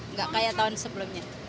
nggak kayak tahun sebelumnya